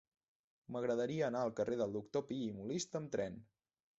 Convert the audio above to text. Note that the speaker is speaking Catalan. M'agradaria anar al carrer del Doctor Pi i Molist amb tren.